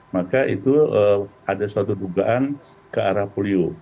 maka itu ada suatu dugaan ke arah polio